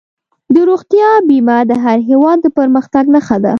د روغتیا بیمه د هر هېواد د پرمختګ نښه ده.